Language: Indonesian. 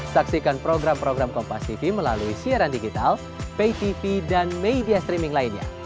saksikan program program kompastv melalui siaran digital paytv dan media streaming lainnya